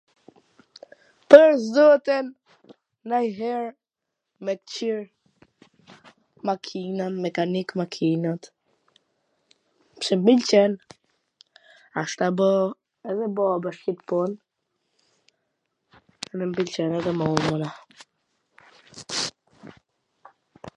Pwr zotin nganjher me kqyr makinat, mekanik makinat, pse m pwlqen, asht tu bo edhe baba ksi pun, ene m pliqen e dhe mu mana.